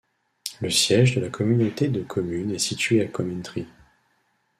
Le siège de la communauté de communes est situé à Commentry.